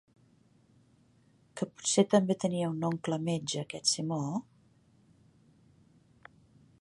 Que potser també tenia un oncle metge, aquest Simó?